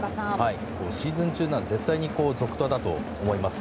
シーズン中なら絶対に続投だと思います。